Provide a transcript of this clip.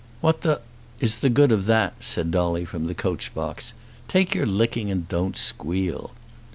"What the is the good of that?" said Dolly from the coach box. "Take your licking and don't squeal."